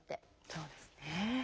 そうですね。